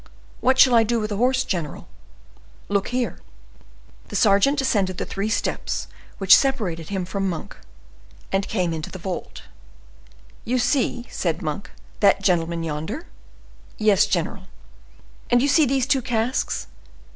"What shall I do with the horse, general." "Look here." The sergeant descended the three steps which separated him from Monk, and came into the vault. "You see," said Monk, "that gentleman yonder?" "Yes, general." "And you see these two casks?"